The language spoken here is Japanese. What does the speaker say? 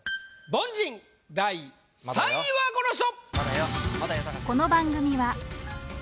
凡人第３位はこの人！